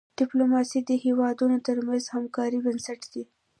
ډيپلوماسي د هیوادونو ترمنځ د همکاری بنسټ دی.